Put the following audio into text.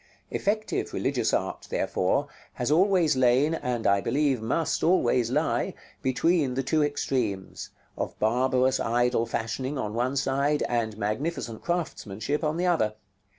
Effective religious art, therefore, has always lain, and I believe must always lie, between the two extremes of barbarous idol fashioning on one side, and magnificent craftsmanship on the other.